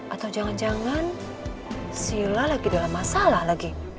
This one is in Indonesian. atau jangan jangan sila lagi dalam masalah lagi